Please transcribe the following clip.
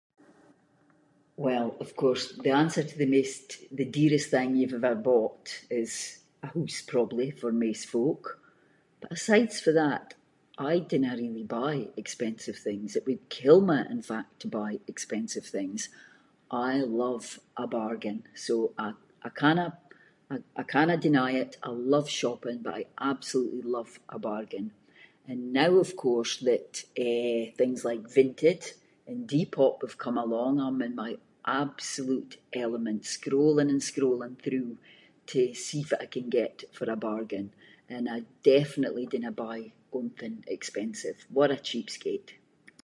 Well of course, the answer to the maist- the dearest thing you’ve ever bought is a hoose probably for maist folk, but asides fae that, I dinna really buy expensive things. It would kill me, in fact, to buy expensive things. I love a bargain, so I- I canna- I canna deny it, I love shopping, but I absolutely love a bargain, and now of course that eh things like Vinted and Deepop have come along, I’m in my absolute element, scrolling and scrolling through to see fitt I can get for a bargain, and I definitely dinna buy onything expensive, what a cheapskate.